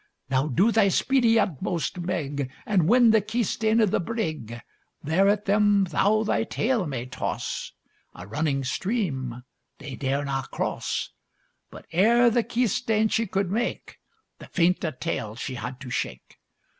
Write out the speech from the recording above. Now, do thy speedy utmost, Meg, And win the keystane of the brig; There at them thou thy tail may toss, A running stream they dare na cross. But ere the keystane she could make, The fient a tail she had to shake!